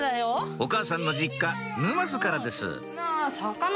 お母さんの実家沼津からです